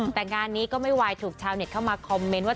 แต่งานนี้ก็ไม่ไหวถูกชาวเน็ตเข้ามาคอมเมนต์ว่า